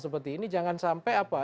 seperti ini jangan sampai apa